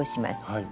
はい。